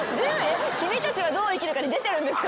『君たちはどう生きるか』に出てるんですか？